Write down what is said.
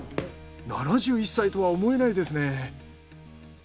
７１歳とは思えないですね。